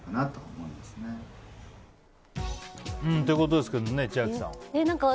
ということですけどね千秋さん。